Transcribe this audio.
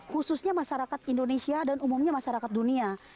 khususnya masyarakat indonesia dan umumnya masyarakat dunia